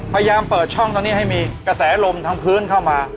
พยายามเปิดช่องตรงนี้ให้มีกระแสลมทั้งพื้นเข้ามา